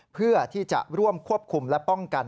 เพื่อที่จะร่วมควบคุมและป้องกัน